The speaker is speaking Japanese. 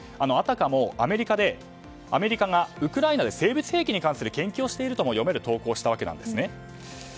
あたかもアメリカがウクライナで生物兵器に関する研究をしているとも読める投稿をしたわけですね。